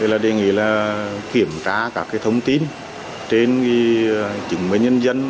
thì là đề nghị là kiểm tra các thông tin trên chứng minh nhân dân